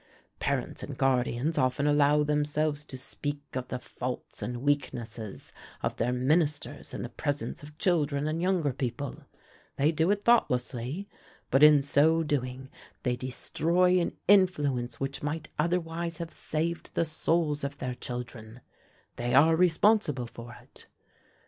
Parents and guardians often allow themselves to speak of the faults and weaknesses of their ministers in the presence of children and younger people they do it thoughtlessly but in so doing they destroy an influence which might otherwise have saved the souls of their children; they are responsible for it.